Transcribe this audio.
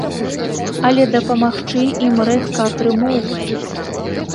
Але дапамагчы ім рэдка атрымоўваецца.